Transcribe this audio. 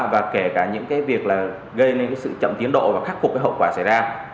và kể cả những việc gây nên sự chậm tiến độ và khắc phục hậu quả xảy ra